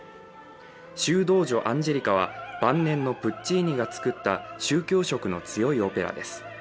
「修道女アンジェリカ」は晩年のプッチーニが作った宗教色の強いオペラです。